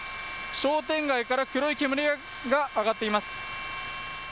商店街から黒い煙が上がっています。